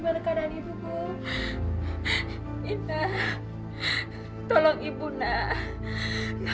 bu kami permisi dulu